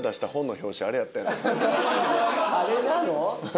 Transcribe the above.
あれなの？